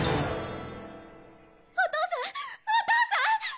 お父さんお父さん！